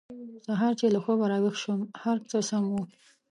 سهار چې له خوبه راویښ شوم هر څه سم وو